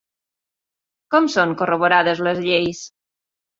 Com són corroborades les lleis?